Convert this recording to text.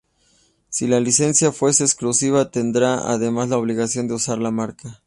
Si la licencia fuese exclusiva, tendrá además la obligación de usar la marca.